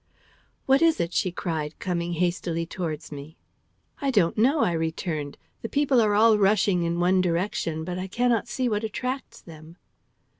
"What is it?" she cried, coming hastily towards me. "I don't know," I returned. "The people are all rushing in one direction, but I cannot see what attracts them."